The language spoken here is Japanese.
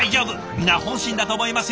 皆本心だと思いますよ。